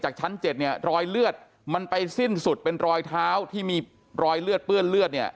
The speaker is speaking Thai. ชั้น๗เนี่ยรอยเลือดมันไปสิ้นสุดเป็นรอยเท้าที่มีรอยเลือดเปื้อนเลือดเนี่ย